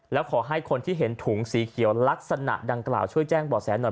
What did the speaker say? แล้วขอให้คนที่เห็นถุงสีเขียวลักษณะดังกล่าวช่วยแจ้งบ่อแสหน่อย